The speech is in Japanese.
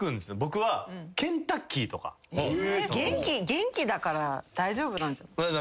元気だから大丈夫なんじゃない。